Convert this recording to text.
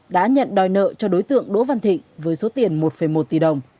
đã nhận đòi nợ cho đối tượng đỗ văn thịnh với số tiền một một tỷ đồng